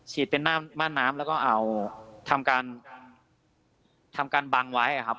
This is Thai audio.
ฉีดเป็นม่านน้ำแล้วก็ทำการบังไว้ครับ